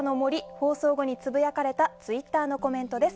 放送後につぶやかれたツイッターのコメントです。